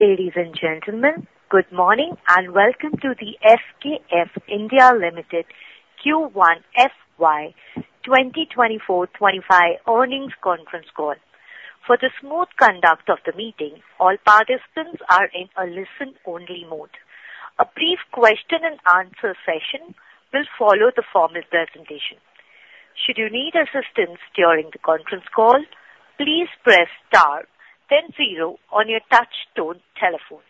Ladies and gentlemen, good morning, and welcome to the SKF India Limited Q1 FY 2024-25 earnings conference call. For the smooth conduct of the meeting, all participants are in a listen-only mode. A brief question and answer session will follow the formal presentation. Should you need assistance during the conference call, please press star then zero on your touch tone telephone.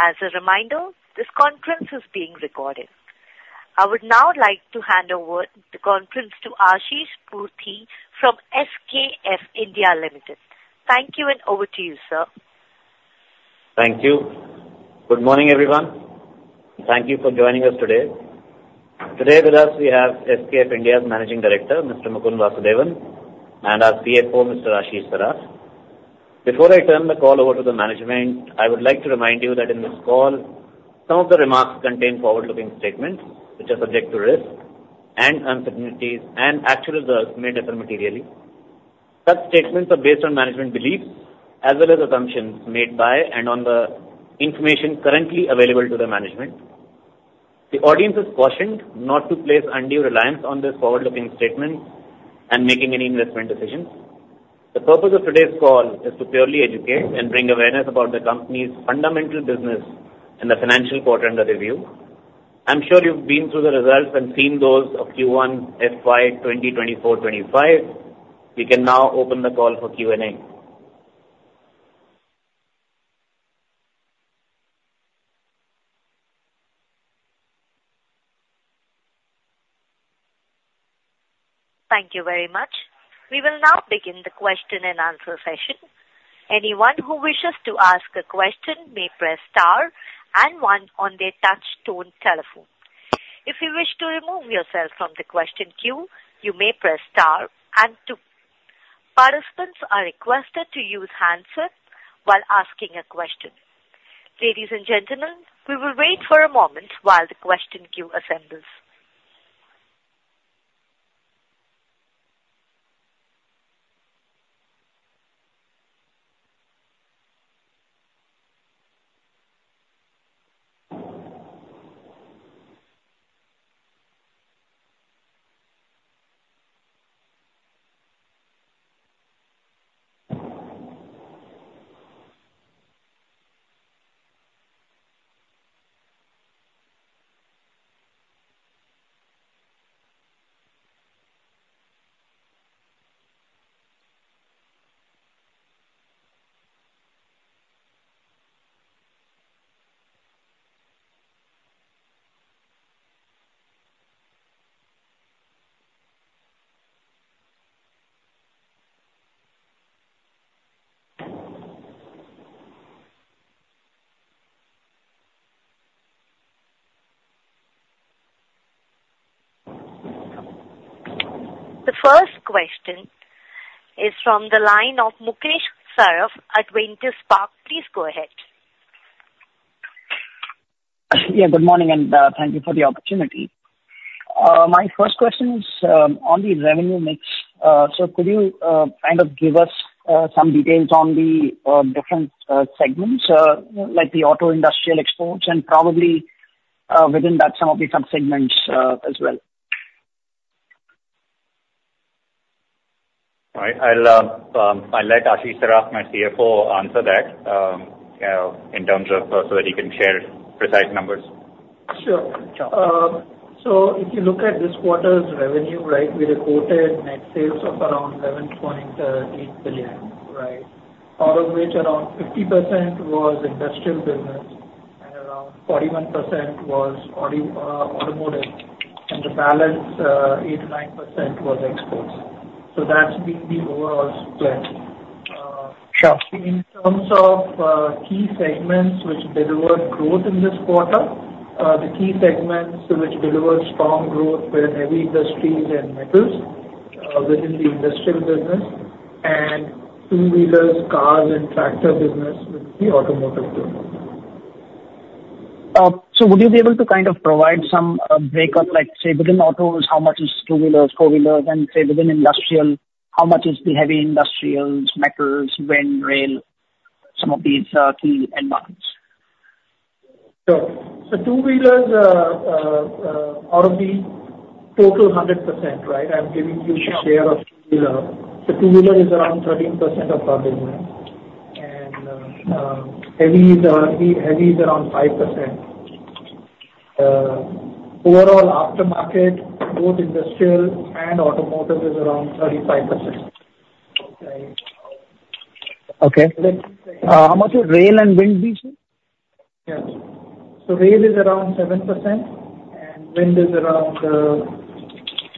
As a reminder, this conference is being recorded. I would now like to hand over the conference to Ashish Pruthi from SKF India Limited. Thank you, and over to you, sir. Thank you. Good morning, everyone. Thank you for joining us today. Today with us, we have SKF India's Managing Director, Mr. Mukund Vasudevan, and our CFO, Mr. Ashish Saraf. Before I turn the call over to the management, I would like to remind you that in this call, some of the remarks contain forward-looking statements, which are subject to risk and uncertainties, and actual results may differ materially. Such statements are based on management beliefs as well as assumptions made by and on the information currently available to the management. The audience is cautioned not to place undue reliance on this forward-looking statement and making any investment decisions. The purpose of today's call is to purely educate and bring awareness about the company's fundamental business and the financial quarter under review. I'm sure you've been through the results and seen those of Q1 FY 2024-25. We can now open the call for Q&A. Thank you very much. We will now begin the question and answer session. Anyone who wishes to ask a question may press star and one on their touch tone telephone. If you wish to remove yourself from the question queue, you may press star and two. Participants are requested to use handset while asking a question. Ladies and gentlemen, we will wait for a moment while the question queue assembles. The first question is from the line of Mukesh Saraf at Avendus Spark. Please go ahead. Yeah, good morning, and thank you for the opportunity. My first question is on the revenue mix. So could you kind of give us some details on the different segments like the auto industrial exports and probably within that some of the subsegments as well? Right. I'll let Ashish Saraf, my CFO, answer that, in terms of, so that he can share precise numbers. Sure. So if you look at this quarter's revenue, right, we reported net sales of around 11.8 billion, right? Out of which, around 50% was industrial business and around 41% was auto, automotive, and the balance 8%-9% was exports. So that's been the overall split. Uh, sure. In terms of key segments which delivered growth in this quarter, the key segments which delivered strong growth were heavy industries and metals within the industrial business, and two-wheelers, cars, and tractor business with the automotive group. So would you be able to kind of provide some breakup, like, say, within autos, how much is two-wheelers, four-wheelers, and say, within industrial, how much is the heavy industrials, metals, wind, rail, some of these key end markets? Sure. So two-wheelers, out of the total 100%, right? I'm giving you the share of two-wheeler. The two-wheeler is around 13% of our business, and heavy is around 5%. Overall aftermarket, both industrial and automotive, is around 35%. Right. Okay. How much would rail and wind be, sir? Yeah. So rail is around 7%, and wind is around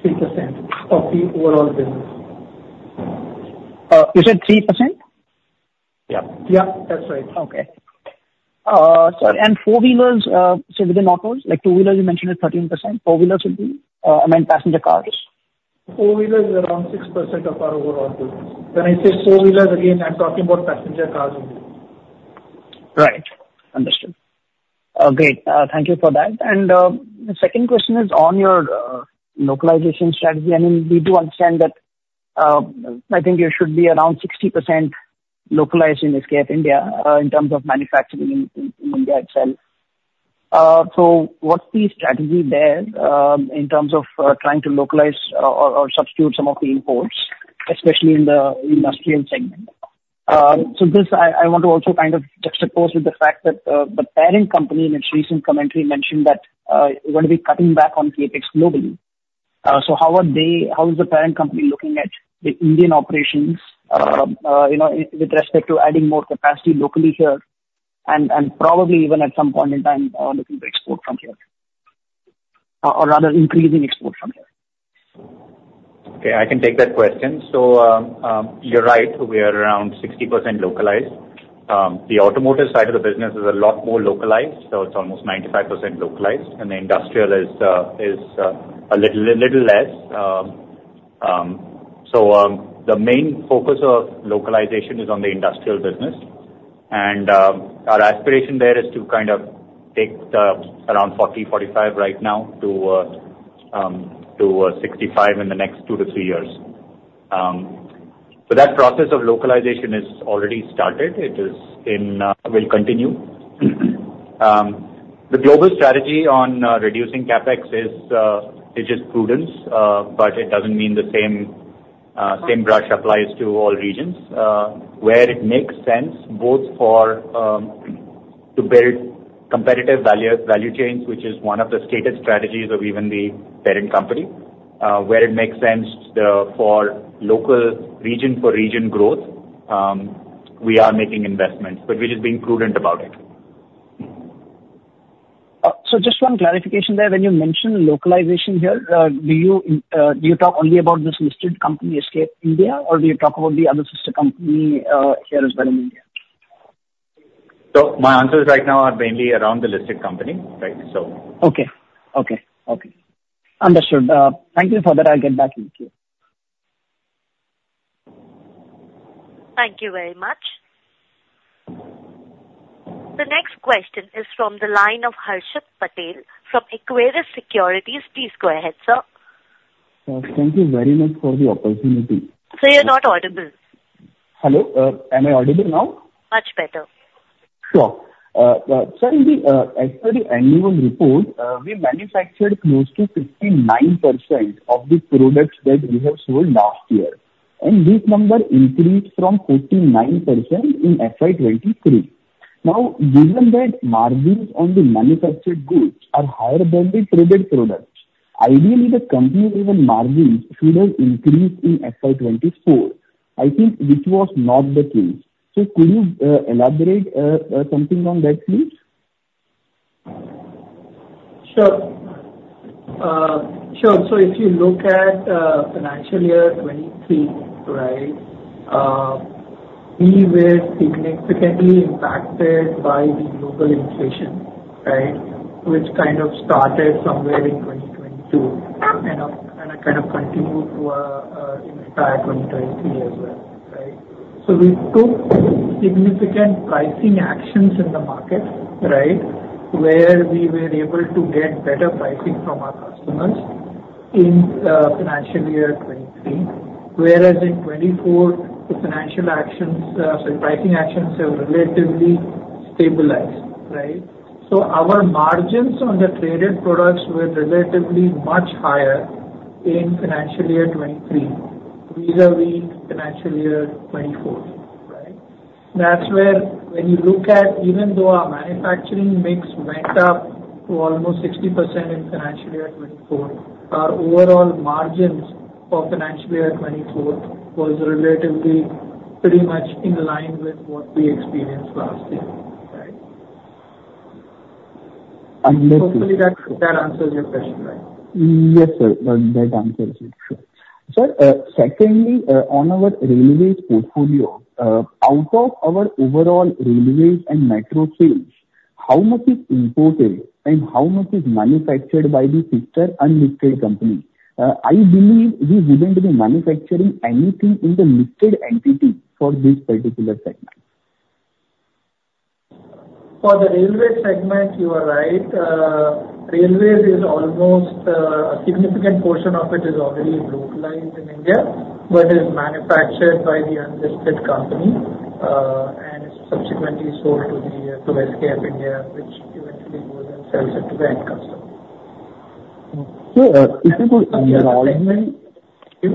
3% of the overall business. You said 3%? Yeah. Yeah, that's right. Okay. So and four-wheelers, so within autos, like two-wheelers, you mentioned is 13%. Four-wheelers would be, I mean, passenger cars. Four-wheeler is around 6% of our overall business. When I say four-wheelers, again, I'm talking about passenger cars only. Right. Understood... Great. Thank you for that. The second question is on your localization strategy. I mean, we do understand that, I think you should be around 60% localized in SKF India, in terms of manufacturing in India itself. So what's the strategy there, in terms of trying to localize or substitute some of the imports, especially in the industrial segment? So this, I want to also kind of juxtapose with the fact that, the parent company in its recent commentary mentioned that, we're gonna be cutting back on CapEx globally. How is the parent company looking at the Indian operations, you know, with respect to adding more capacity locally here and probably even at some point in time, looking to export from here, or rather increasing export from here? Okay, I can take that question. So, you're right, we are around 60% localized. The automotive side of the business is a lot more localized, so it's almost 95% localized, and the industrial is a little less. So, the main focus of localization is on the industrial business, and our aspiration there is to kind of take the around 40-45 right now to 65 in the next two to three years. So that process of localization is already started. It will continue. The global strategy on reducing CapEx is just prudence, but it doesn't mean the same brush applies to all regions. Where it makes sense both for to build competitive value, value chains, which is one of the stated strategies of even the parent company, where it makes sense, the, for local region, for region growth, we are making investments, but we're just being prudent about it. So just one clarification there. When you mention localization here, do you talk only about this listed company, SKF India, or do you talk about the other sister company here as well in India? My answers right now are mainly around the listed company, right? Okay. Okay. Okay. Understood. Thank you for that. I'll get back with you. Thank you very much. The next question is from the line of Harshit Patel from Equirus Securities. Please go ahead, sir. Thank you very much for the opportunity. Sir, you're not audible. Hello? Am I audible now? Much better. Sure. Sir, in the as per the annual report, we manufactured close to 59% of the products that we have sold last year, and this number increased from 49% in FY 2023. Now, given that margins on the manufactured goods are higher than the traded products, ideally the company's overall margins should have increased in FY 2024. I think this was not the case. So could you elaborate something on that, please? Sure. Sure. So if you look at financial year 2023, right, we were significantly impacted by the global inflation, right, which kind of started somewhere in 2022 and it kind of continued to in the entire 2023 as well, right? So we took significant pricing actions in the market, right, where we were able to get better pricing from our customers in financial year 2023, whereas in 2024, the financial actions, sorry, pricing actions have relatively stabilized, right? So our margins on the traded products were relatively much higher in financial year 2023, vis-à-vis financial year 2024, right? That's where when you look at even though our manufacturing mix went up to almost 60% in financial year 2024, our overall margins for financial year 2024 was relatively pretty much in line with what we experienced last year, right? Understood. Hopefully that answers your question, right? Yes, sir, that answers it. Sure. Sir, secondly, on our railways portfolio, out of our overall railways and metro trains, how much is imported and how much is manufactured by the sister unlisted company? I believe we wouldn't be manufacturing anything in the listed entity for this particular segment. For the railway segment, you are right. Railways is almost a significant portion of it is already localized in India, but it is manufactured by the unlisted company, and it's subsequently sold to the to SKF India, which eventually goes and sells it to the end customer. So, if you could broadly- Yes.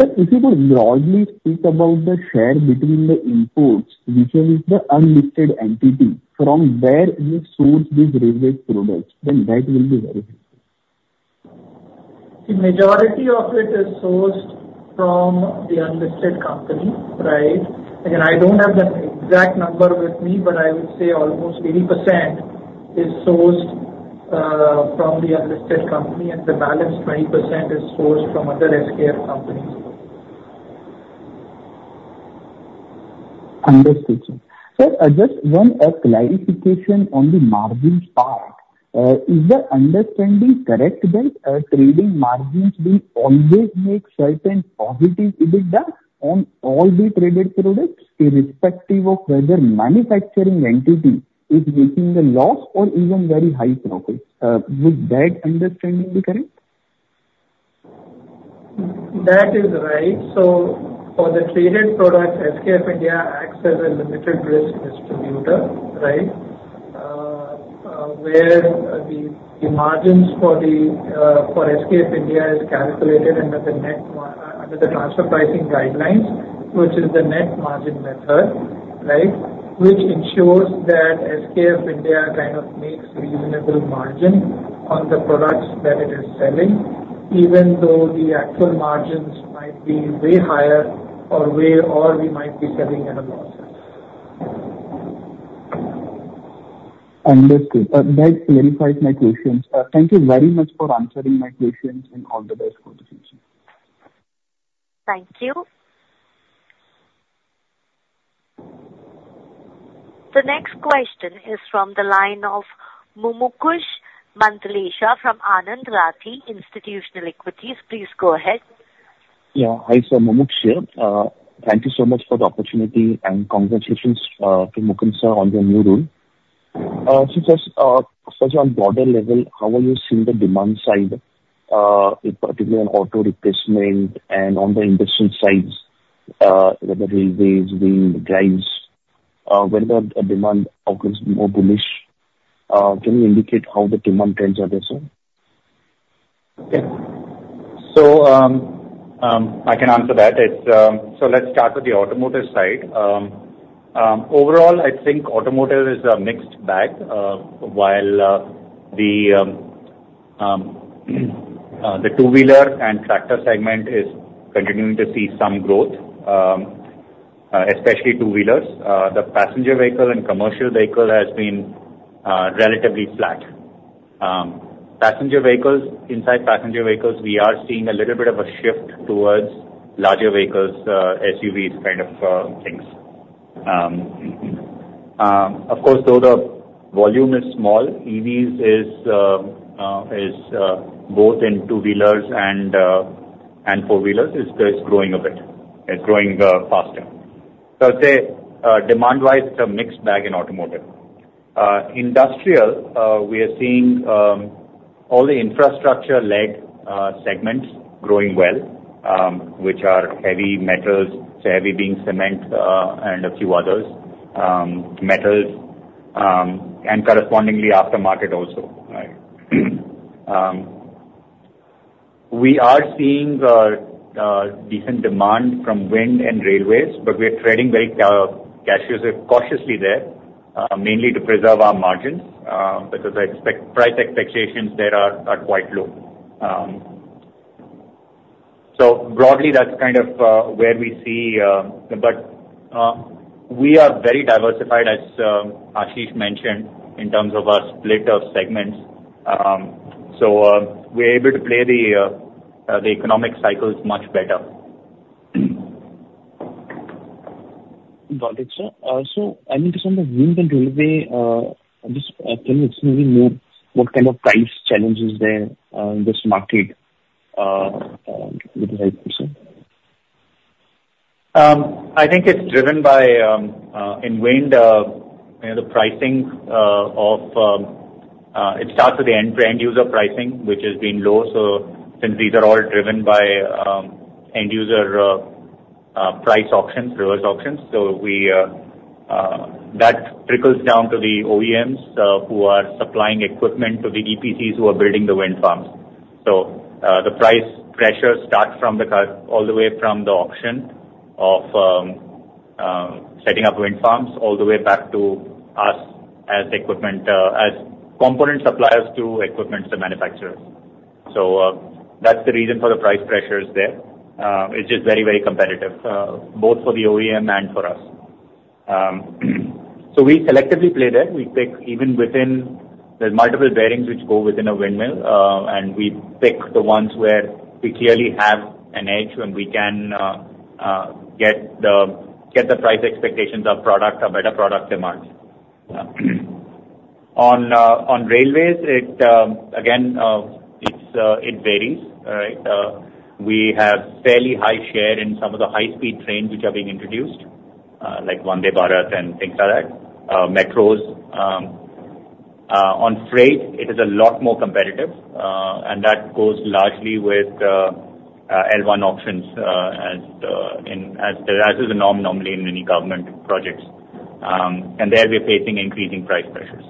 Sir, if you could broadly speak about the share between the imports, which is the unlisted entity, from where you source this railway product, then that will be very helpful. The majority of it is sourced from the unlisted company, right? Again, I don't have the exact number with me, but I would say almost 80% is sourced from the unlisted company, and the balance 20% is sourced from other SKF companies. Understood, sir. Sir, just one clarification on the margins part. Is the understanding correct that trading margins will always make certain positive EBITDA on all the traded products, irrespective of whether manufacturing entity is making a loss or even very high profit? Would that understanding be correct? That is right. So for the traded products, SKF India acts as a limited risk distributor, right? Where the margins for SKF India is calculated under the transfer pricing guidelines, which is the net margin method, right? Which ensures that SKF India kind of makes reasonable margin on the products that it is selling, even though the actual margins might be way higher or way, or we might be selling at a loss. Understood. That clarifies my questions. Thank you very much for answering my questions, and all the best for the future. Thank you. The next question is from the line of Mumukshu Mandlesha from Anand Rathi Institutional Equities. Please go ahead. Yeah. Hi, sir, Mumukshu here. Thank you so much for the opportunity, and congratulations to Mukund, sir, on your new role. So just first, on broader level, how are you seeing the demand side, in particular on auto replacement and on the industrial sides, whether railways, wind, drives, when the demand outcomes more bullish, can you indicate how the demand trends are there, sir? Yeah. So, I can answer that. It's... So let's start with the automotive side. Overall, I think automotive is a mixed bag, while the two-wheeler and tractor segment is continuing to see some growth, especially two-wheelers. The passenger vehicle and commercial vehicle has been relatively flat. Passenger vehicles, inside passenger vehicles, we are seeing a little bit of a shift towards larger vehicles, SUVs kind of things. Of course, though the volume is small, EVs is both in two-wheelers and four-wheelers, is growing a bit. It's growing faster. So I'd say, demand-wise, it's a mixed bag in automotive. Industrial, we are seeing all the infrastructure-led segments growing well, which are heavy metals, so heavy being cement, and a few others, metals, and correspondingly aftermarket also, right? We are seeing decent demand from wind and railways, but we're treading very cautiously there, mainly to preserve our margins, because I expect price expectations there are quite low. So broadly, that's kind of where we see... But we are very diversified, as Ashish mentioned, in terms of our split of segments. So, we're able to play the economic cycles much better. Got it, sir. So I mean, just on the wind and railway, just, can you explain me more, what kind of price challenge is there, in this market, would you like, sir? I think it's driven by in wind, you know, the pricing. It starts with the end user pricing, which has been low. So since these are all driven by end user price auctions, reverse auctions, so that trickles down to the OEMs who are supplying equipment to the EPCs who are building the wind farms. So the price pressures start from the car, all the way from the auction of setting up wind farms, all the way back to us as equipment, as component suppliers to equipment manufacturers. So that's the reason for the price pressures there. It's just very, very competitive, both for the OEM and for us. So we selectively play there. We pick even within, there's multiple bearings which go within a windmill, and we pick the ones where we clearly have an edge and we can get the price expectations of product, a better product demand. On railways, it again varies, right? We have fairly high share in some of the high-speed trains which are being introduced, like Vande Bharat and things like that, metros. On freight, it is a lot more competitive, and that goes largely with L1 auctions, as is the norm normally in many government projects. And there we're facing increasing price pressures.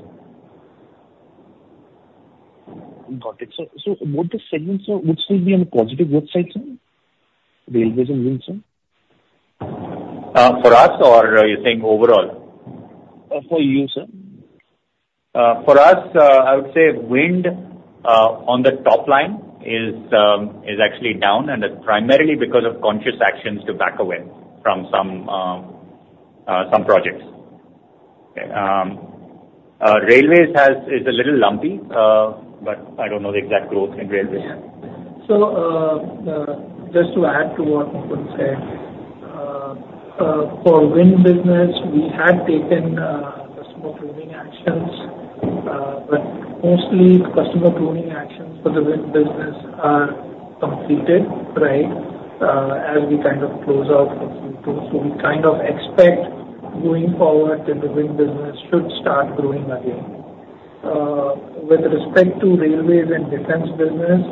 Got it. So both the segments, sir, would still be on the positive growth side, sir, railways and wind, sir? For us, or you're saying overall? For you, sir. For us, I would say wind on the top line is actually down, and that's primarily because of conscious actions to back away from some some projects. Okay. Railways has is a little lumpy, but I don't know the exact growth in railways. So, just to add to what Mukund said, for wind business, we had taken some pruning actions, but mostly customer pruning actions for the wind business are completed, right? As we kind of close out Q2. So we kind of expect going forward that the wind business should start growing again. With respect to railways and defense business,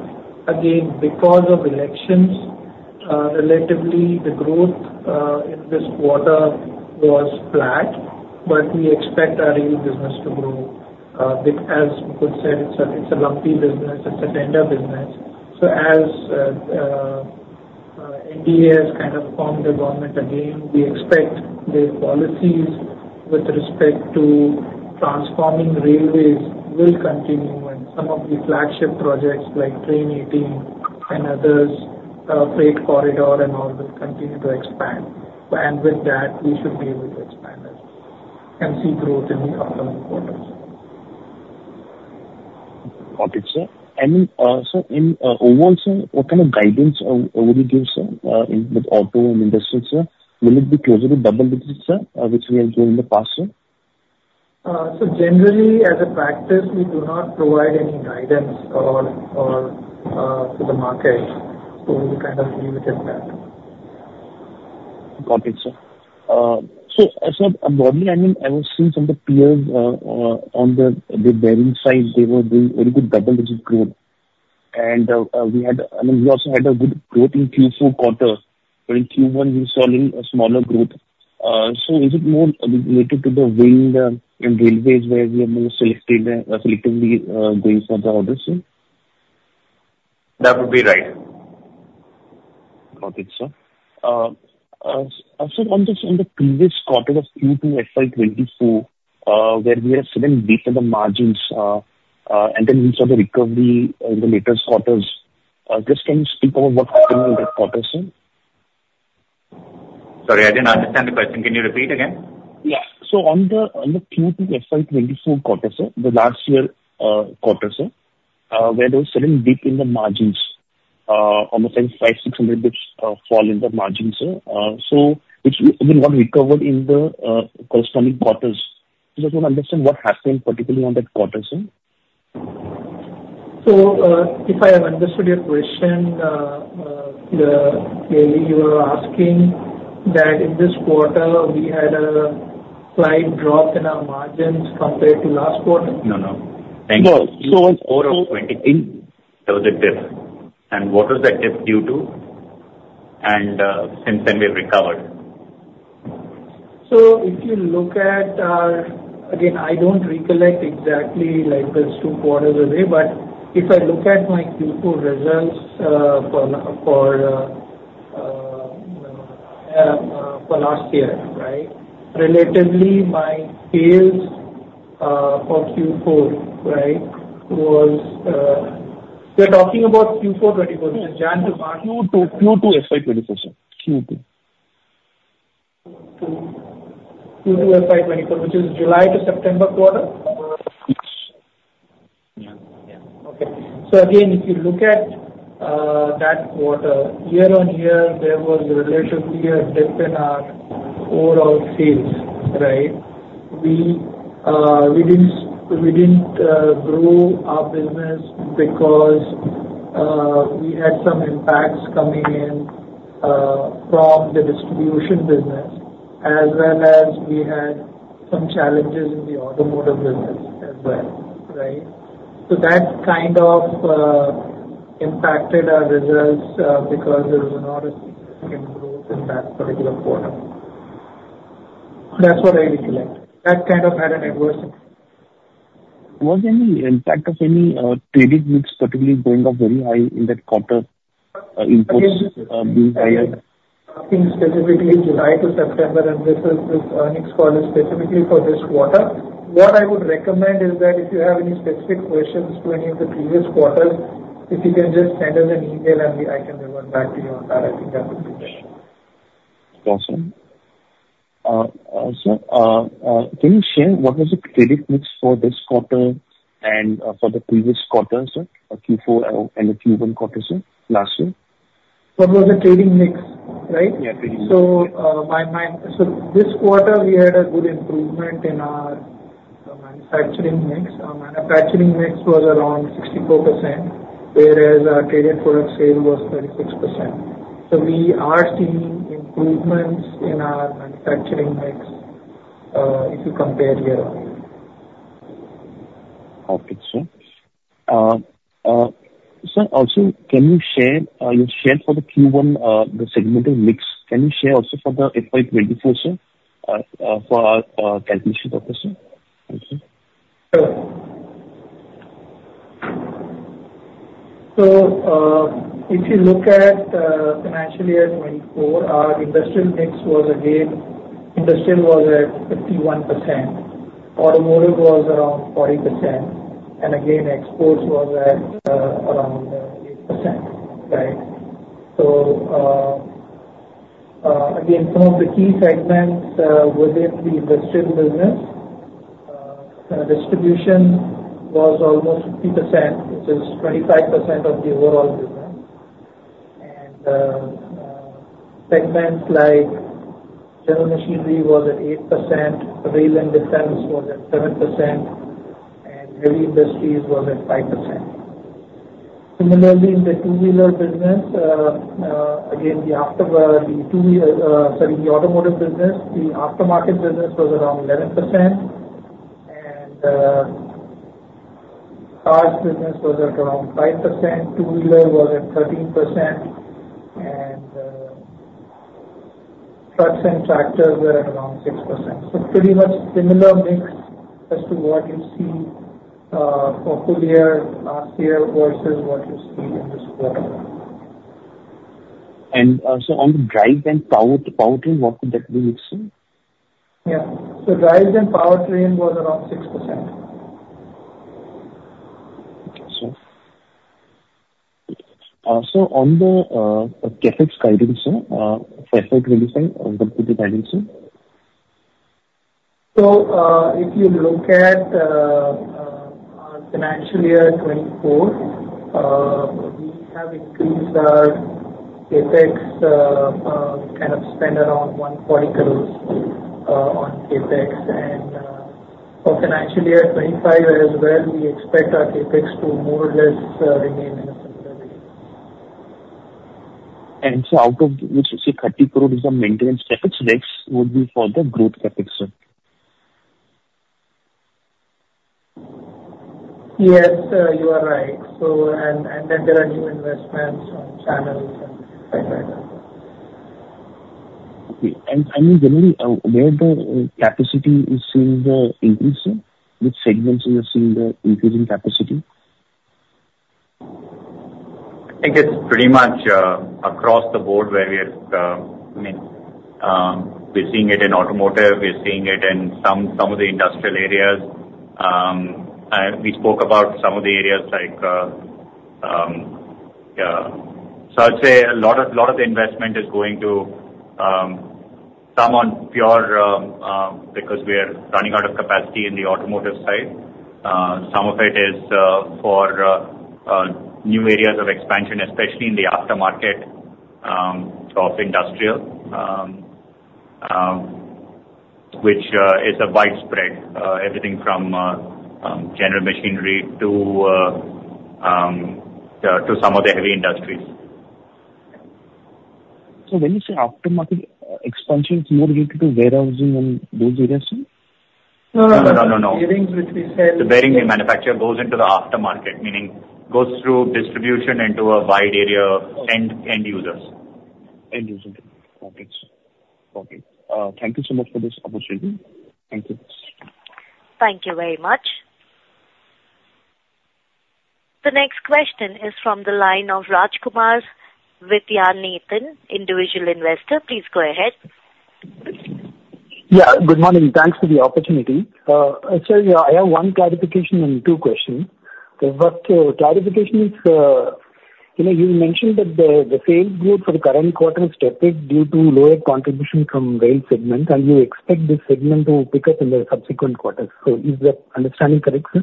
again, because of elections, relatively the growth in this quarter was flat, but we expect our railway business to grow. Because as you could say, it's a lumpy business, it's a tender business. So as NDA has kind of formed the government again, we expect their policies with respect to transforming railways will continue, and some of the flagship projects like Train 18 and others, freight corridor and all this continue to expand. With that, we should be able to expand and see growth in the upcoming quarters. Got it, sir. And, sir, in overall, sir, what kind of guidance on would you give, sir, in the auto and industrial, sir? Will it be closer to double digits, sir, which we have done in the past, sir? So generally, as a practice, we do not provide any guidance or to the market, so we kind of leave it at that. Got it, sir. So, as broadly, I mean, I was seeing some of the peers on the bearing side, they were doing very good double-digit growth. And, we had, I mean, we also had a good growth in Q4 quarter, but in Q1, we're seeing a smaller growth. So is it more related to the wind and railways, where we are more selectively, selectively going for the orders, sir? That would be right. Got it, sir. So on the previous quarter of Q2 FY 2024, where we are selling deep in the margins, and then we saw the recovery in the latest quarters. Just can you speak about what happened in that quarter, sir? Sorry, I did not understand the question. Can you repeat again? Yeah. So on the, on the Q2 FY 2024 quarter, sir, the last year quarter, sir, where there was selling dip in the margins, on the 500-600 basis points fall in the margins, sir. So which, I mean, got recovered in the corresponding quarters. Just want to understand what happened, particularly on that quarter, sir. If I have understood your question, clearly, you are asking that in this quarter, we had a slight drop in our margins compared to last quarter? No, no. No. Thank you. Q4 of 23, there was a dip. What was that dip due to? And, since then we've recovered. So if you look at our... Again, I don't recollect exactly, like, those two quarters away, but if I look at my Q4 results for last year, right? Relatively, my sales for Q4, right, was... We're talking about Q4 2024, so January to March. Q2, Q2, FY 2024, sir. Q2. Q2, FY 2024, which is July to September quarter? Uh, yes. Yeah. Yeah. Okay. So again, if you look at that quarter, year on year, there was a relatively a dip in our overall sales, right? We didn't grow our business because we had some impacts coming in from the distribution business, as well as we had some challenges in the automotive business as well, right? So that kind of impacted our results because there was not a significant growth in that particular quarter. That's what I recollect. That kind of had an adverse impact. Was there any impact of any trading mix particularly going up very high in that quarter, imports being higher? Specifically, July to September, and this is this earnings call is specifically for this quarter. What I would recommend is that if you have any specific questions to any of the previous quarters, if you can just send us an email and we, I can revert back to you on that. I think that would be better. Awesome. Sir, can you share what was the credit mix for this quarter and for the previous quarters, sir? Q4 and the Q1 quarters, sir, last year. What was the trading mix, right? Yeah, trading mix. So this quarter, we had a good improvement in our manufacturing mix. Our manufacturing mix was around 64%, whereas our traded product sale was 36%. So we are seeing improvements in our manufacturing mix, if you compare year-on-year. Okay, sir. Sir, also, can you share, you shared for the Q1, the segmental mix. Can you share also for the FY 2024, sir, for calculation purpose, sir? Thank you. So, if you look at financial year 2024, our industrial mix was again, industrial was at 51%, automotive was around 40%, and again, exports was at around 8%, right? So, again, some of the key segments were with the industrial business. Distribution was almost 50%, which is 25% of the overall business. And, segments like general machinery was at 8%, rail and defense was at 7%, and heavy industries was at 5%. Similarly, in the two-wheeler business, again, sorry, the automotive business, the aftermarket business was around 11%, and cars business was at around 5%, two-wheeler was at 13%, and trucks and tractors were at around 6%. Pretty much similar mix as to what you see for full year versus what you see in this quarter. On the drive and powertrain, what would that be mixing? Yeah. So drives and powertrain was around 6%. Okay, sir. So on the CapEx guidance, sir, CapEx release, sir, on the guidance, sir? If you look at our financial year 2024, we have increased our CapEx kind of spend around 1 crore on CapEx. For financial year 2025 as well, we expect our CapEx to more or less remain in a similar way. Out of which you say 30 crore is a maintenance CapEx, rest would be for the growth CapEx, sir? Yes, you are right. So, and then there are new investments on channels and et cetera. Okay. I mean, generally, where the capacity is seeing the increase, sir? Which segments you are seeing the increase in capacity? I think it's pretty much across the board where we are, I mean, we're seeing it in automotive, we're seeing it in some, some of the industrial areas. And we spoke about some of the areas like, yeah. So I'd say a lot of, lot of the investment is going to some in Pune, because we are running out of capacity in the automotive side. Some of it is for new areas of expansion, especially in the aftermarket of industrial, which is a widespread, everything from general machinery to some of the heavy industries. When you say aftermarket expansion is more related to warehousing and those areas, sir? No, no, no, no. Bearings, which we sell- The bearing we manufacture goes into the aftermarket, meaning goes through distribution into a wide array end users. Okay. Okay. Thank you so much for this opportunity. Thank you. Thank you very much. The next question is from the line of Rajkumar Vaidyanathan, individual investor. Please go ahead. Yeah, good morning. Thanks for the opportunity. So yeah, I have one clarification and two questions. But, clarification is, you know, you mentioned that the sales growth for the current quarter is tepid due to lower contribution from rail segment, and you expect this segment to pick up in the subsequent quarters. So is that understanding correct, sir?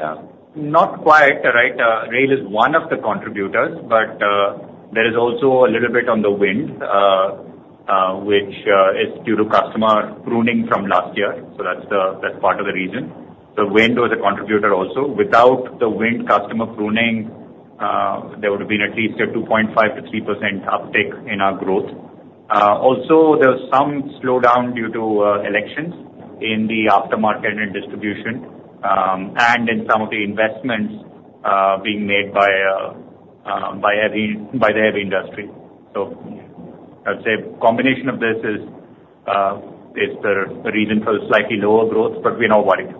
Yeah. Not quite, right. Rail is one of the contributors, but there is also a little bit on the wind, which is due to customer pruning from last year. So that's the, that's part of the reason. The wind was a contributor also. Without the wind customer pruning, there would have been at least a 2.5%-3% uptick in our growth. Also, there was some slowdown due to elections in the aftermarket and distribution, and in some of the investments being made by the heavy industry. So I'd say combination of this is the reason for the slightly lower growth, but we're not worried.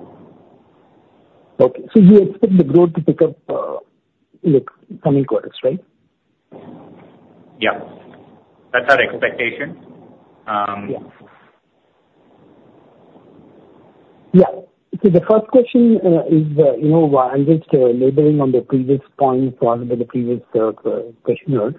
Okay. So you expect the growth to pick up in the coming quarters, right? Yeah. That's our expectation. Yeah. Yeah. So the first question is, you know, I'm just labeling on the previous point asked by the previous questioner.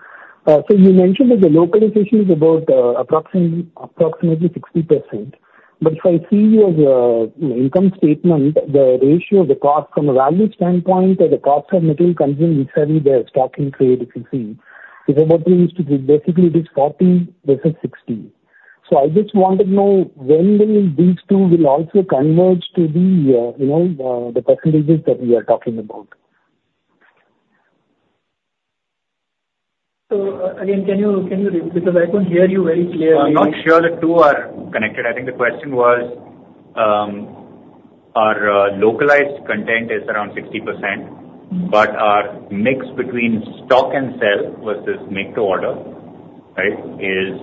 So you mentioned that the localization is about approximately, approximately 60%. But if I see your income statement, the ratio of the cost from a value standpoint, or the cost of material consumed with the stock and trade, if you see, so what we used to do, basically it is 40 versus 60. So I just wanted to know when will these two will also converge to the, you know, the percentages that we are talking about? So, again, can you, can you? Because I couldn't hear you very clearly. I'm not sure the two are connected. I think the question was, our localized content is around 60%, but our mix between stock and sell versus make to order, right, is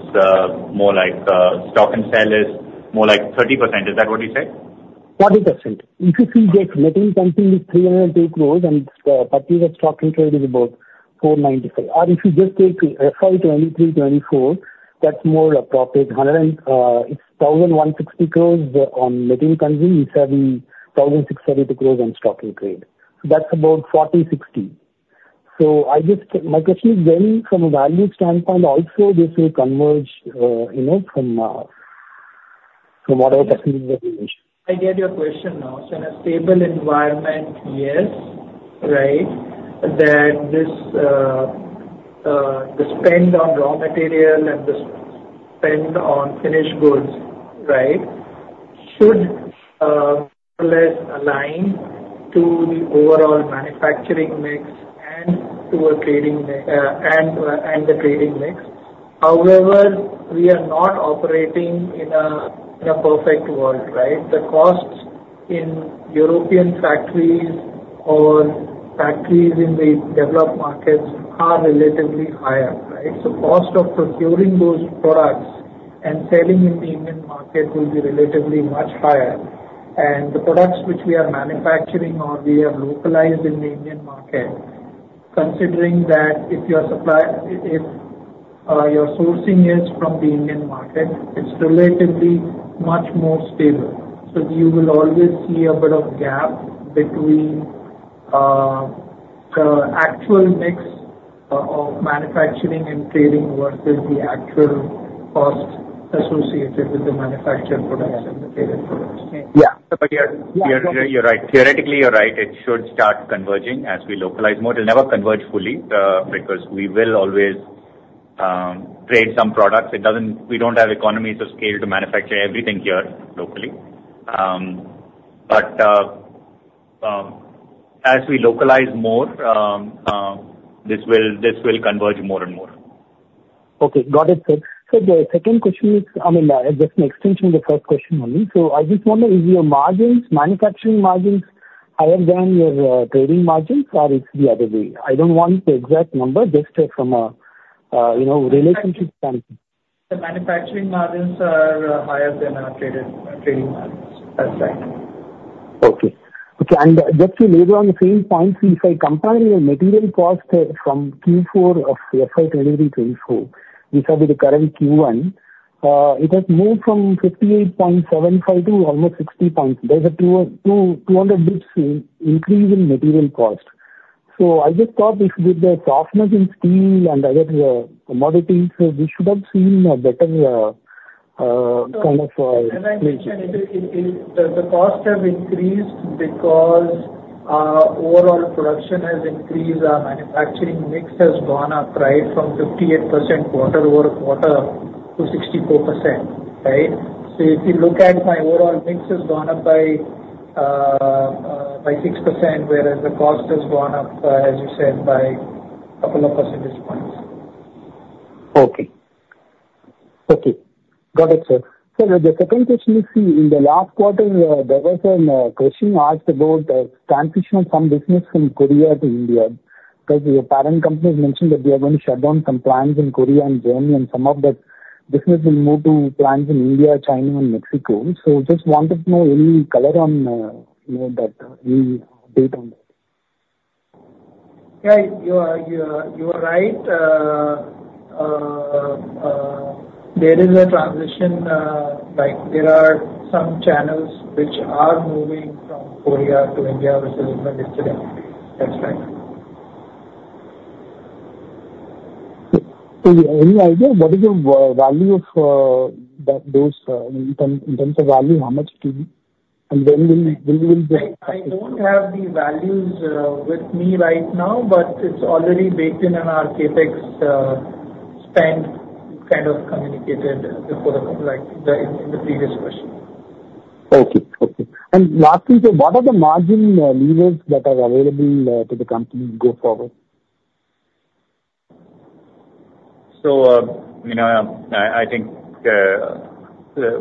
more like stock and sell is more like 30%. Is that what you said? 40%. If you see the material consumed is 302 crore, and purchase, stock and trade is about 495 crore. Or if you just take FY 2023-2024, that's more appropriate. 1,060 crore on material consumed, and 1,672 crore on stock and trade. So that's about 40-60.... So I just, my question is, when from a value standpoint also, this will converge, you know, from, from whatever technical definition? I get your question now. So in a stable environment, yes, right, that this, the spend on raw material and the spend on finished goods, right, should less align to the overall manufacturing mix and to a trading mix, and the trading mix. However, we are not operating in a perfect world, right? The costs in European factories or factories in the developed markets are relatively higher, right? So cost of procuring those products and selling in the Indian market will be relatively much higher. And the products which we are manufacturing or we are localized in the Indian market, considering that if your supply, if your sourcing is from the Indian market, it's relatively much more stable. You will always see a bit of gap between the actual mix of manufacturing and trading versus the actual cost associated with the manufactured products and the traded products. Yeah. But you're right. Theoretically, you're right. It should start converging as we localize more. It'll never converge fully, because we will always trade some products. It doesn't. We don't have economies of scale to manufacture everything here locally. But as we localize more, this will converge more and more. Okay, got it, sir. So the second question is, I mean, just an extension of the first question only. So I just wonder, is your margins, manufacturing margins higher than your, trading margins, or it's the other way? I don't want the exact number, just, from a, you know, relationship standpoint. The manufacturing margins are higher than our traded, trading margins. That's right. Okay. Okay, and just to labor on the same point, if I compare your material cost from Q4 of FY 2023-2024 with the current Q1, it has moved from 58.75 to almost 60 points. There's a 200 basis points increase in material cost. So I just thought with the softness in steel and other commodities, so we should have seen a better kind of- As I mentioned, the costs have increased because our overall production has increased. Our manufacturing mix has gone up, right, from 58% quarter-over-quarter to 64%, right? So if you look at my overall mix has gone up by six percent, whereas the costs have gone up, as you said, by a couple of percentage points. Okay. Okay. Got it, sir. So the second question is, see in the last quarter, there was a question asked about transition of some business from South Korea to India, because your parent company has mentioned that they are going to shut down some plants in South Korea and Germany, and some of that business will move to plants in India, China and Mexico. So just wanted to know any color on, you know, that, any date on that? Yeah, you are right. There is a transition, like there are some channels which are moving from South Korea to India, which is in the literature. That's right. So, any idea what the value of those in terms of value is, how much it will be? And when will you be- I don't have the values with me right now, but it's already baked in on our CapEx spend, kind of communicated before, like in the previous question. Okay. Okay. And lastly, so what are the margin levers that are available to the company go forward? So, you know, I think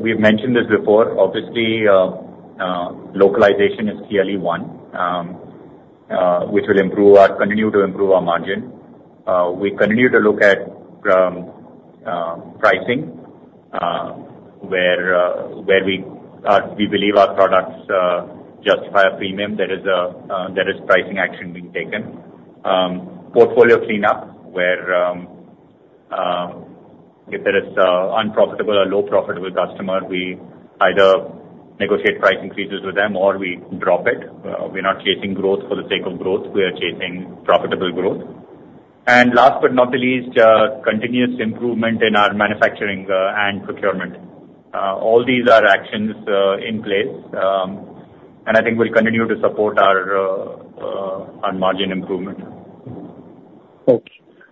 we've mentioned this before. Obviously, localization is clearly one, which will continue to improve our margin. We continue to look at pricing, where we believe our products justify a premium, there is pricing action being taken. Portfolio cleanup, where if there is a unprofitable or low profitable customer, we either negotiate price increases with them or we drop it. We're not chasing growth for the sake of growth, we are chasing profitable growth. And last but not the least, continuous improvement in our manufacturing and procurement. All these are actions in place, and I think will continue to support our margin improvement. Okay.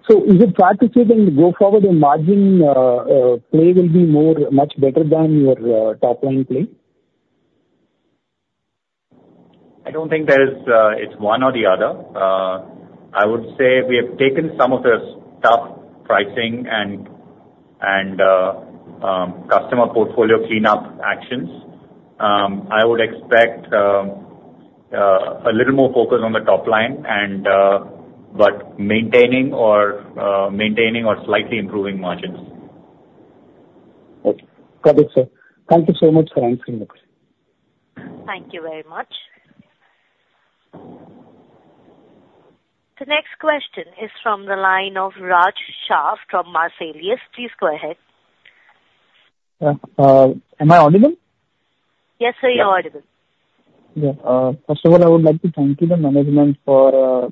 So is it fair to say then, going forward, the margin play will be much better than your top line play? I don't think there is, it's one or the other. I would say we have taken some of the tough pricing and customer portfolio cleanup actions. I would expect a little more focus on the top line and but maintaining or slightly improving margins. Okay. Got it, sir. Thank you so much for answering this. Thank you very much. The next question is from the line of Raj Shah from Marcellus. Please go ahead.... am I audible? Yes, sir, you're audible. Yeah. First of all, I would like to thank you, the management for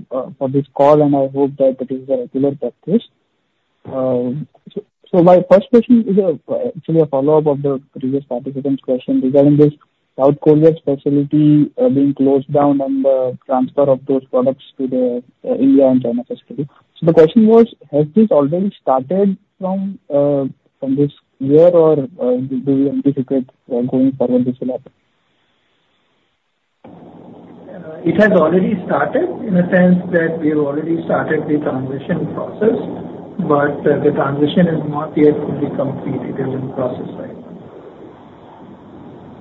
this call, and I hope that it is a regular practice. So my first question is actually a follow-up of the previous participant's question regarding this South Korea facility being closed down and the transfer of those products to the India and China facility. So the question was: Has this already started from this year, or do you anticipate going forward this year? It has already started, in the sense that we have already started the transition process, but, the transition is not yet fully completed. It is in process right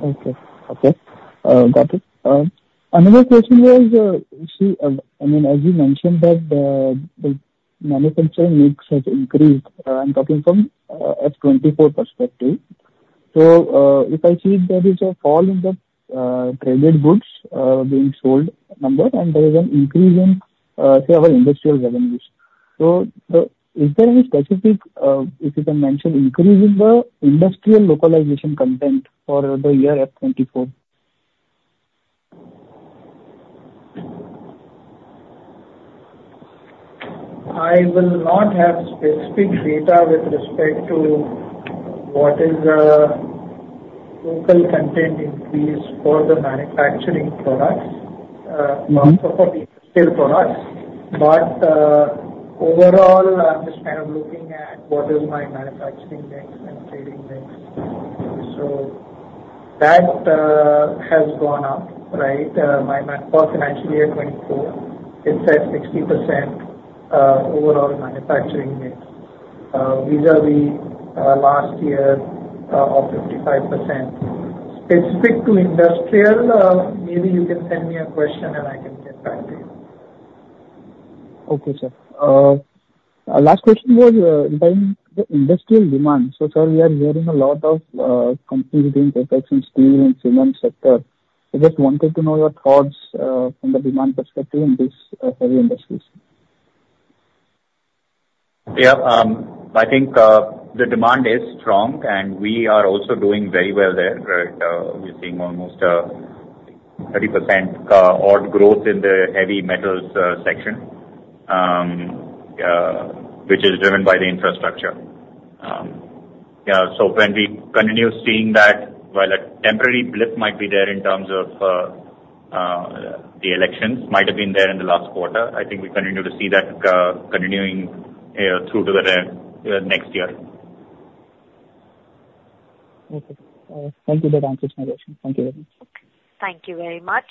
now. Okay. Okay. Got it. Another question was, I mean, as you mentioned that, the manufacturing mix has increased, I'm talking from F-24 perspective. So, if I see, there is a fall in the traded goods being sold number, and there is an increase in, say, our industrial revenues. So, is there any specific, if you can mention, increase in the industrial localization content for the year F-24? I will not have specific data with respect to what is the local content increase for the manufacturing products, not for the sale products. But overall, I'm just kind of looking at what is my manufacturing mix and trading mix. So that has gone up, right? My first financial year 2024, it's at 60%, overall manufacturing mix, vis-à-vis last year's of 55%. Specific to industrial, maybe you can send me a question and I can get back to you. Okay, sir. Last question was regarding the industrial demand. So, sir, we are hearing a lot of Capex projection steel and cement sector. I just wanted to know your thoughts from the demand perspective in this heavy industries? Yeah, I think the demand is strong, and we are also doing very well there, right. We're seeing almost 30% odd growth in the heavy metals section, which is driven by the infrastructure. Yeah, so when we continue seeing that, while a temporary blip might be there in terms of the elections, might have been there in the last quarter, I think we continue to see that continuing through to the next year. Okay. Thank you, that answers my question. Thank you very much. Thank you very much.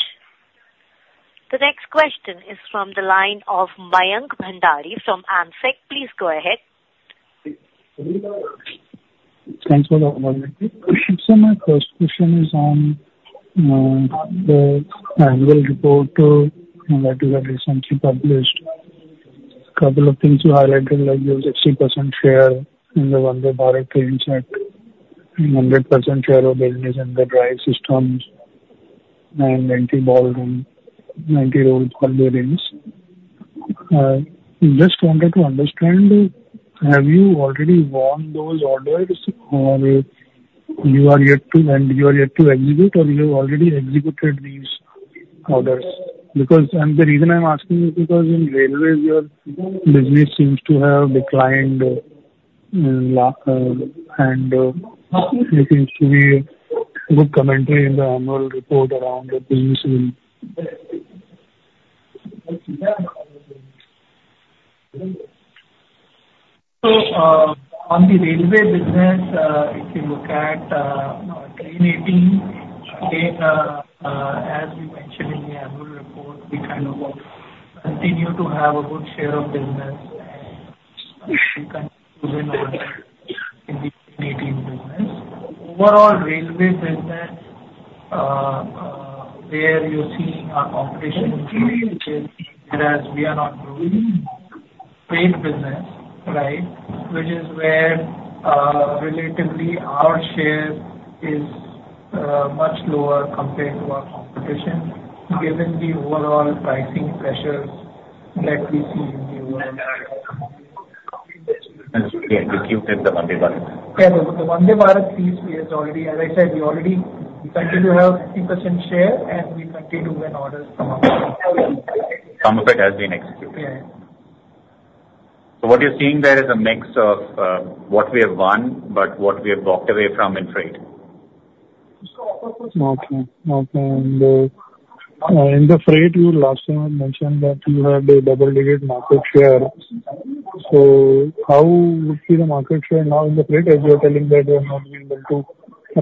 The next question is from the line of Mayank Bhandari from AMSEC. Please go ahead. So my first question is on the annual report that you have recently published. Couple of things you highlighted, like your 60% share in the Vande Bharat train set and 100% share of business in the drive systems and traction motor and anti-roll bearings. Just wanted to understand, have you already won those orders, or you are yet to, and you are yet to execute, or you have already executed these orders? Because, and the reason I'm asking is because in railways, your business seems to have declined, and there seems to be good commentary in the annual report around the business review. On the railway business, if you look at train 18, okay, as we mentioned in the annual report, we kind of continue to have a good share of business and in the passenger business. Overall, railway business, where you're seeing our competition increase, whereas we are not growing freight business, right? Which is where, relatively our share is, much lower compared to our competition, given the overall pricing pressures that we see in the world. Execute the Vande Bharat. Yeah, the Vande Bharat piece, we have already... As I said, we already continue to have 50% share, and we continue to win orders from our customers. Some of it has been executed. Yeah. So what you're seeing there is a mix of what we have won, but what we have walked away from in freight. Okay. Okay. And, in the freight, you last time had mentioned that you had a double-digit market share. So how would be the market share now in the freight, as you're telling that you are not being able to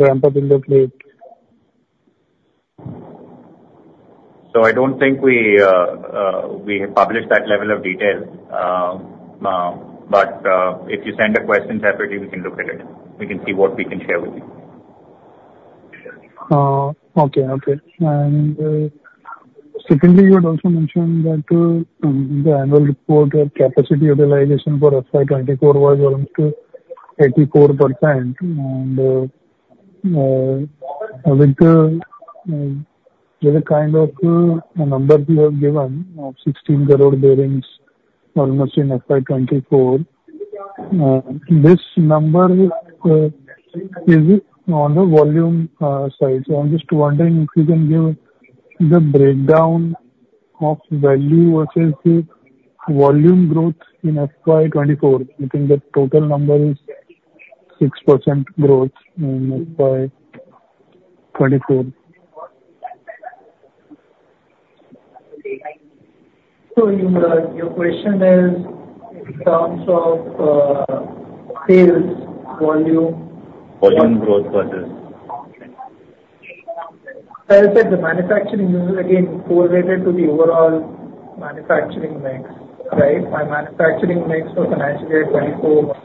ramp up in the freight? I don't think we have published that level of detail. But if you send a question separately, we can look at it. We can see what we can share with you. Okay, okay. And, secondly, you had also mentioned that, the annual report capacity utilization for FY 2024 was almost 84%, and, with the kind of number you have given of 16 crore bearings almost in FY 2024, this number is on the volume side. So I'm just wondering if you can give the breakdown of value versus the volume growth in FY 2024, I think the total number is 6% growth in FY 2024. So, your question is in terms of sales volume? Volume growth versus- Well, sir, the manufacturing business, again, correlated to the overall manufacturing mix, right? My manufacturing mix for financial year 2024,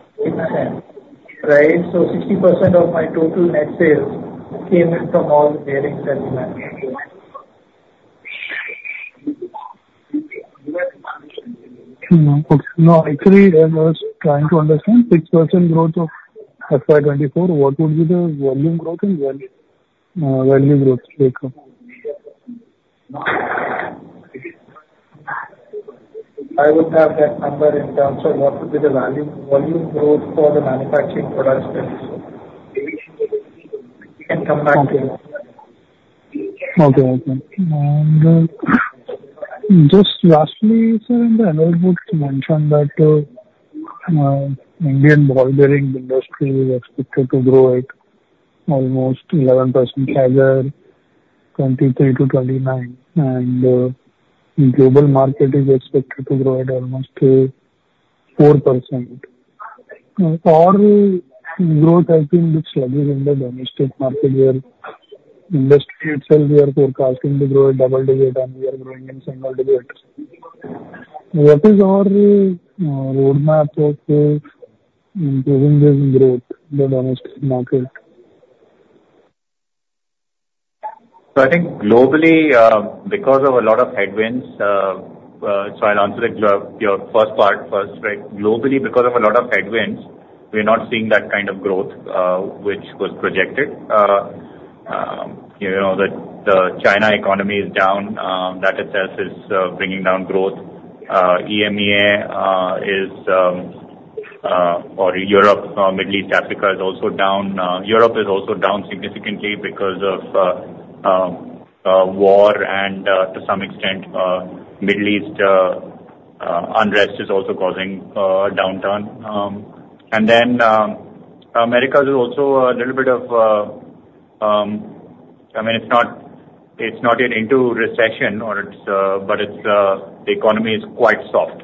right? So 60% of my total net sales came in from all bearings and Mm-hmm. Okay. No, actually, I was trying to understand 6% growth of FY 2024, what would be the volume growth and value, value growth breakup? I would have that number in terms of what would be the value, volume growth for the manufacturing products. We can come back to you. Okay. Okay. Just lastly, sir, in the annual report you mentioned that, Indian ball bearing industry is expected to grow at almost 11%, rather 23-29, and, the global market is expected to grow at almost, 4%. Our growth has been bit sluggish in the domestic market, where industry itself we are forecasting to grow at double digit, and we are growing in single digits. What is our, roadmap of, improving this growth in the domestic market? So I think globally, because of a lot of headwinds, so I'll answer your first part first, right? Globally, because of a lot of headwinds, we're not seeing that kind of growth which was projected. You know, the China economy is down, that itself is bringing down growth. EMEA, or Europe, Middle East, Africa, is also down. Europe is also down significantly because of war and, to some extent, Middle East unrest is also causing downturn. And then, Americas is also a little bit, I mean it's not yet into recession or it's, but it's, the economy is quite soft.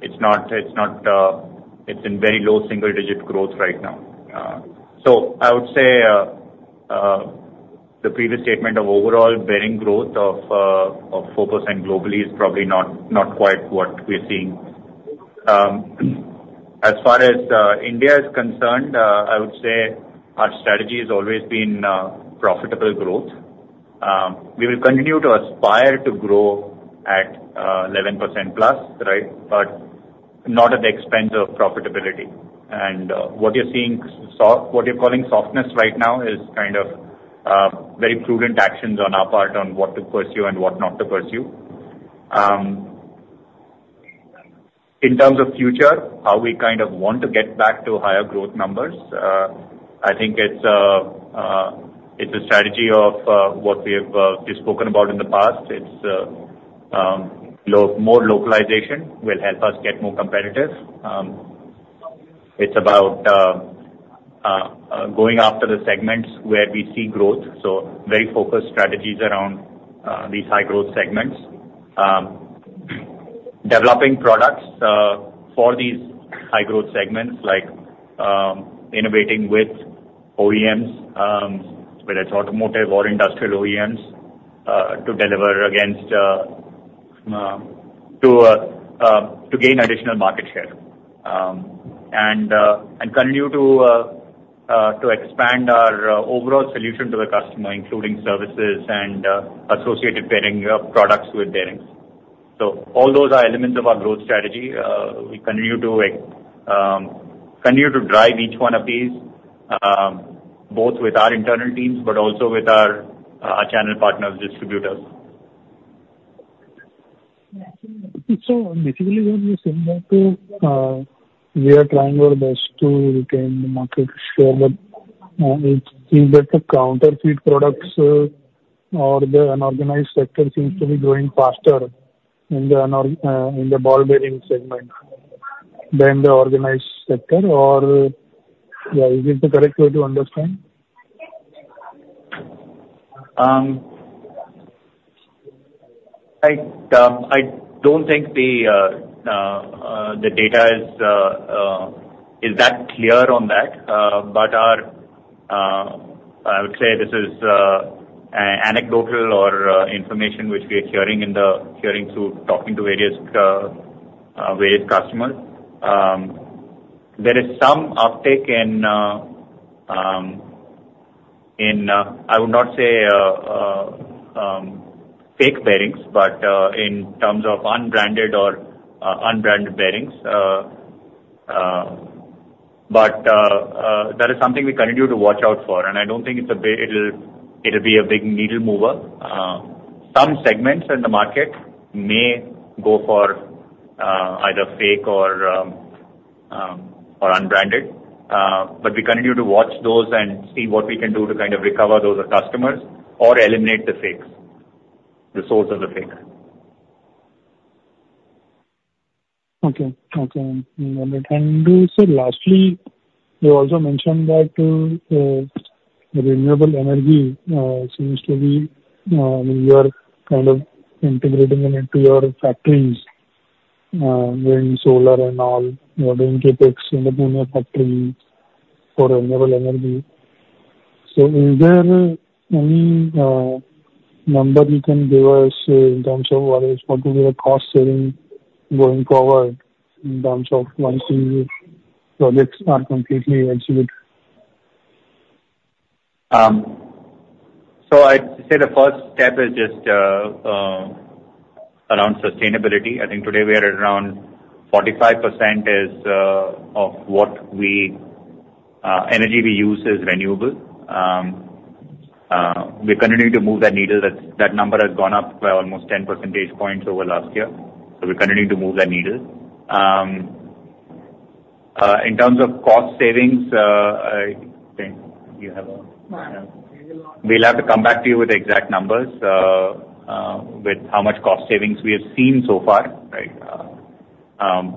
It's not; it's in very low single digit growth right now. So I would say, the previous statement of overall bearing growth of 4% globally is probably not quite what we're seeing. As far as India is concerned, I would say our strategy has always been profitable growth. We will continue to aspire to grow at 11%+, right? But not at the expense of profitability. And what you're seeing soft, what you're calling softness right now is kind of very prudent actions on our part on what to pursue and what not to pursue. In terms of future, how we kind of want to get back to higher growth numbers, I think it's a strategy of what we have, we've spoken about in the past. It's more localization will help us get more competitive. It's about going after the segments where we see growth, so very focused strategies around these high growth segments. Developing products for these high growth segments, like innovating with OEMs, whether it's automotive or industrial OEMs, to deliver against to gain additional market share. And continue to expand our overall solution to the customer, including services and associated bearing products with bearings. So all those are elements of our growth strategy. We continue to drive each one of these both with our internal teams, but also with our channel partners, distributors. So basically what you're saying that we are trying our best to retain the market share, but it seems that the counterfeit products or the unorganized sector seems to be growing faster in the ball bearing segment than the organized sector, or yeah, is it the correct way to understand? I don't think the data is that clear on that. But I would say this is anecdotal information which we are hearing through talking to various customers. There is some uptick in. I would not say fake bearings, but in terms of unbranded bearings. But that is something we continue to watch out for, and I don't think it'll be a big needle mover. Some segments in the market may go for either fake or unbranded, but we continue to watch those and see what we can do to kind of recover those customers or eliminate the fakes, the source of the fakes. Okay. Okay. And, sir, lastly, you also mentioned that renewable energy seems to be you are kind of integrating it into your factories, wind, solar and all, you have CapEx in the Pune factory for renewable energy. So is there any number you can give us in terms of what is, what will be the cost saving going forward in terms of once the projects are completely executed? So I'd say the first step is just around sustainability. I think today we are at around 45% of the energy we use is renewable. We continue to move that needle. That number has gone up by almost 10 percentage points over last year, so we continue to move that needle. In terms of cost savings, I think you have a- No. We'll have to come back to you with the exact numbers, with how much cost savings we have seen so far, right?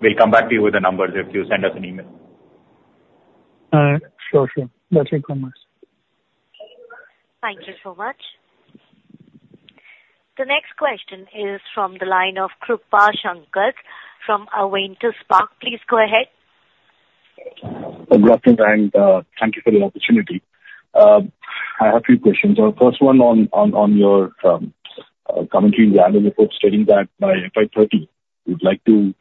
We'll come back to you with the numbers if you send us an email. Sure. Sure. Thank you very much. Thank you so much. The next question is from the line of Krupa Shankar from Avendus Spark. Please go ahead. Good afternoon, and thank you for the opportunity. I have three questions. First one on your commentary around the report stating that by FY 30, you'd like to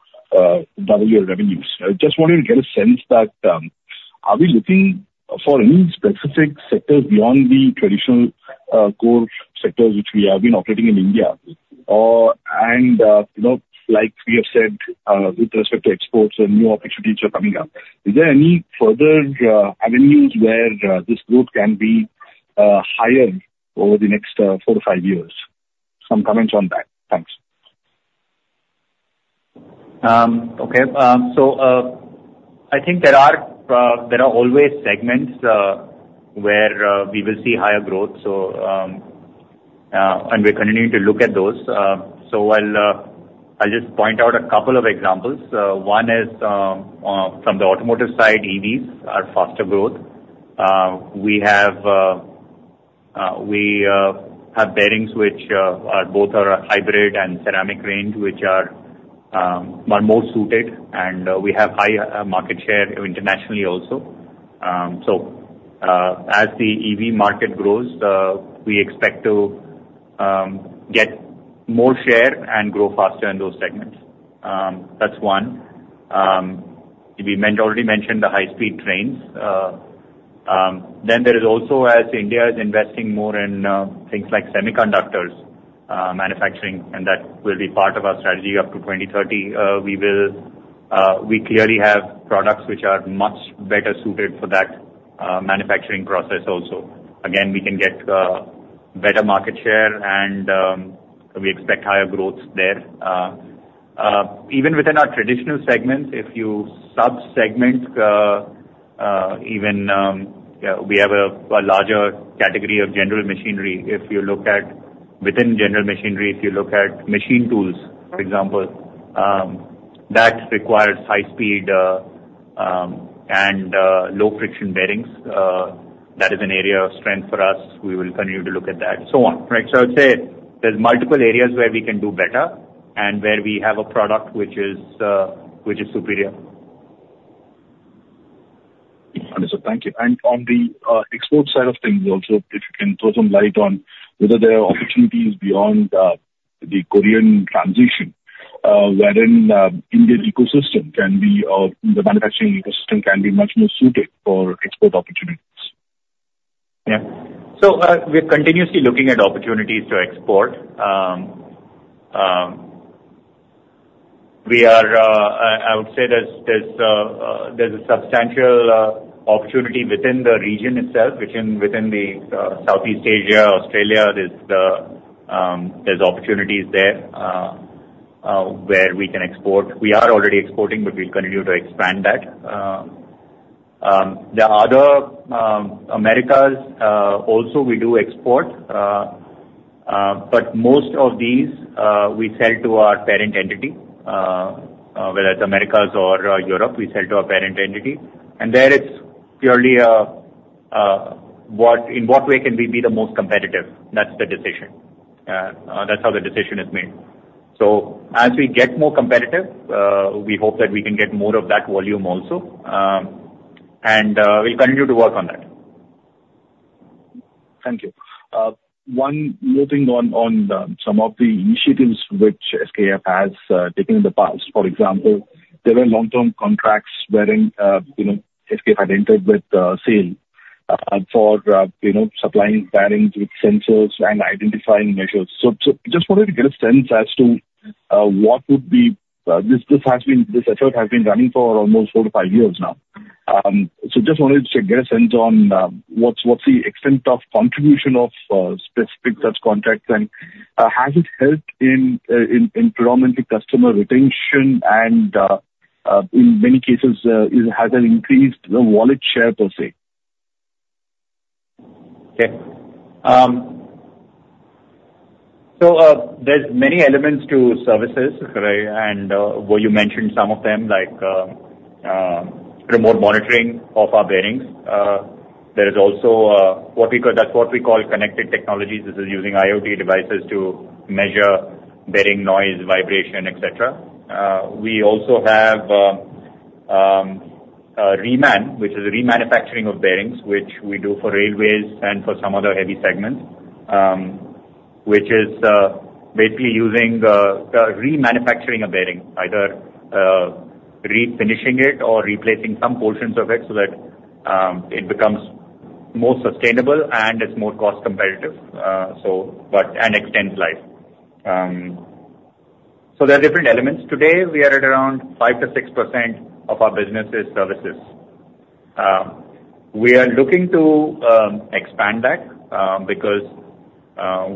double your revenues. I just wanted to get a sense that are we looking for any specific sectors beyond the traditional core sectors which we have been operating in India? Or, and you know, like we have said with respect to exports and new opportunities are coming up, is there any further avenues where this group can be higher over the next 4-5 years? Some comments on that. Thanks. Okay. So, I think there are always segments where we will see higher growth. So, and we're continuing to look at those. So I'll just point out a couple of examples. One is from the automotive side, EVs are faster growth. We have bearings which are both a hybrid and ceramic range, which are more suited, and we have high market share internationally also. So, as the EV market grows, we expect to get more share and grow faster in those segments. That's one. We already mentioned the high speed trains. Then there is also, as India is investing more in things like semiconductors, manufacturing, and that will be part of our strategy up to 2030. We will, we clearly have products which are much better suited for that, manufacturing process also. Again, we can get, better market share, and, we expect higher growth there. Even within our traditional segments, if you sub-segment, we have a, a larger category of general machinery. If you look at within general machinery, if you look at machine tools, for example, that requires high speed, and low friction bearings, that is an area of strength for us. We will continue to look at that and so on, right? I would say there's multiple areas where we can do better and where we have a product which is superior. Understood. Thank you. On the export side of things also, if you can throw some light on whether there are opportunities beyond the Korean transition, wherein the Indian manufacturing ecosystem can be much more suited for export opportunities. Yeah. So, we're continuously looking at opportunities to export. We are, I would say there's a substantial opportunity within the region itself, within Southeast Asia, Australia. There's opportunities there, where we can export. We are already exporting, but we'll continue to expand that. The other, Americas, also we do export, but most of these, we sell to our parent entity, whether it's Americas or Europe, we sell to our parent entity. And there it's purely, what-- in what way can we be the most competitive? That's the decision. That's how the decision is made. So as we get more competitive, we hope that we can get more of that volume also. We'll continue to work on that. Thank you. One more thing on some of the initiatives which SKF has taken in the past. For example, there were long-term contracts wherein, you know, SKF had entered with SAIL for, you know, supplying bearings with sensors and identifying measures. So just wanted to get a sense as to what would be this, this has been—this effort has been running for almost 4-5 years now. So just wanted to get a sense on what's the extent of contribution of specific such contracts, and has it helped in predominantly customer retention, and in many cases, it has an increased the wallet share per se? Okay. So, there's many elements to services, right? And, well, you mentioned some of them, like, remote monitoring of our bearings. There is also, what we call, that's what we call connected technologies. This is using IoT devices to measure bearing noise, vibration, et cetera. We also have, a reman, which is remanufacturing of bearings, which we do for railways and for some other heavy segments, which is, basically using the, remanufacturing a bearing, either, refinishing it or replacing some portions of it, so that, it becomes more sustainable, and it's more cost competitive, so but, and extends life. So there are different elements. Today, we are at around 5%-6% of our business is services. We are looking to expand that because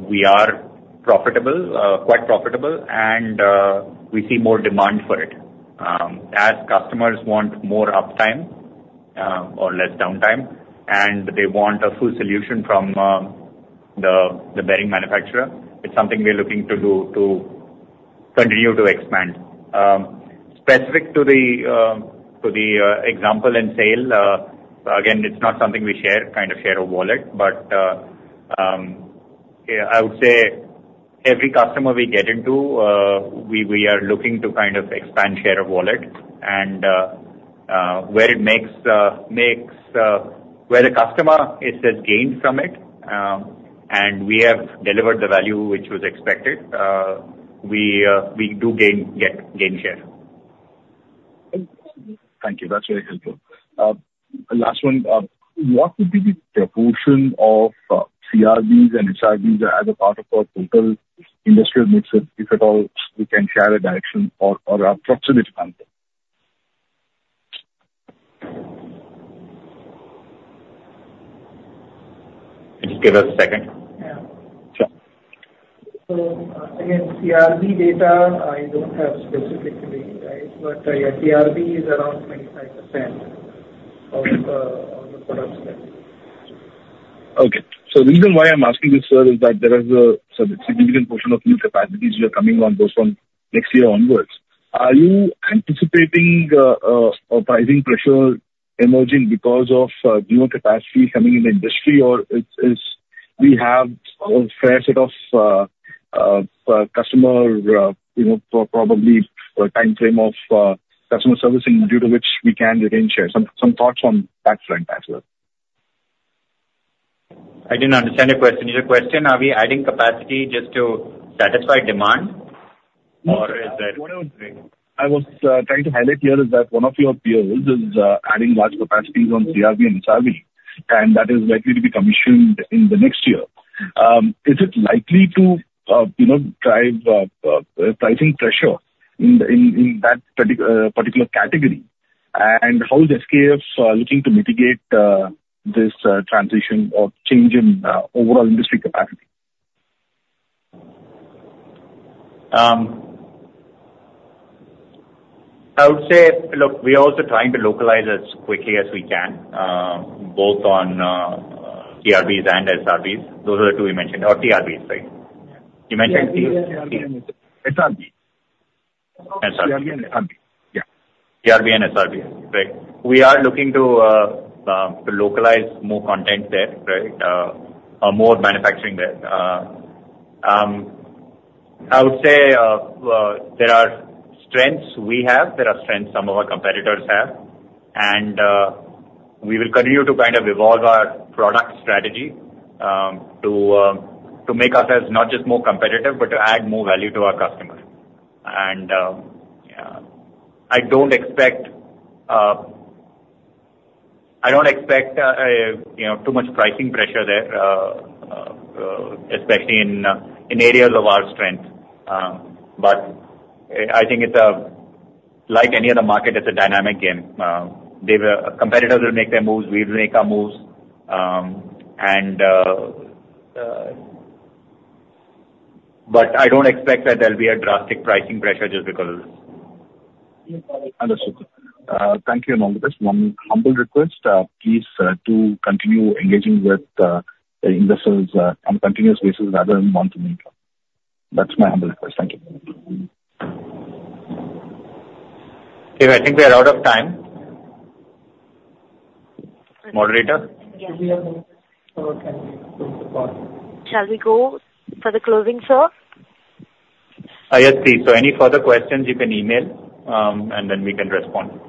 we are profitable, quite profitable, and we see more demand for it. As customers want more uptime or less downtime, and they want a full solution from the bearing manufacturer, it's something we are looking to do to continue to expand. Specific to the example in SAIL, again, it's not something we share, kind of, share a wallet. But yeah, I would say every customer we get into, we are looking to kind of expand share of wallet, and where it makes where the customer has gained from it, and we have delivered the value which was expected, we do gain share. Thank you. That's very helpful. Last one, what would be the proportion of CRBs and SRBs as a part of our total industrial mixture, if at all we can share a direction or approximate something? Just give us a second. Yeah. Sure. So, again, CRB data, I don't have specifically, right? But, yeah, CRB is around 25% of, on the product side. Okay. So the reason why I'm asking this, sir, is that there is a significant portion of new capacities you are coming on board from next year onwards. Are you anticipating a pricing pressure emerging because of newer capacity coming in the industry? Or is we have a fair set of customer, you know, probably a timeframe of customer servicing, due to which we can retain share. Some thoughts on that front as well. I didn't understand your question. Your question, are we adding capacity just to satisfy demand? Or is it- What I was saying, I was trying to highlight here is that one of your peers is adding large capacities on CRB and SRB, and that is likely to be commissioned in the next year. Is it likely to, you know, drive pricing pressure in that particular category? And how is SKF looking to mitigate this transition or change in overall industry capacity? I would say, look, we are also trying to localize as quickly as we can, both on CRBs and SRBs. Those are the two you mentioned, or CRBs, right? You mentioned CRBs. SRB. SRB. CRB and SRB. Yeah, CRB and SRB. Right. We are looking to localize more content there, right, or more manufacturing there. I would say, there are strengths we have, there are strengths some of our competitors have, and we will continue to kind of evolve our product strategy, to make ourselves not just more competitive, but to add more value to our customers. And I don't expect, I don't expect, you know, too much pricing pressure there, especially in areas of our strength. But I think it's, like any other market, it's a dynamic game. There, competitors will make their moves, we will make our moves. And... but I don't expect that there'll be a drastic pricing pressure just because. Understood. Thank you, Anupama. One humble request, please, to continue engaging with the investors on continuous basis rather than monthly. That's my humble request. Thank you. Okay, I think we are out of time. Moderator? Yes. Shall we go for the closing, sir? Yes, please. So any further questions you can email, and then we can respond.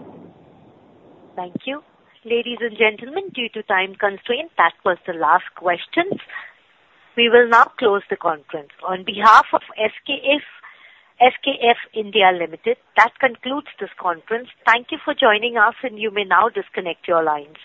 Thank you. Ladies and gentlemen, due to time constraint, that was the last question. We will now close the conference. On behalf of SKF, SKF India Limited, that concludes this conference. Thank you for joining us, and you may now disconnect your lines.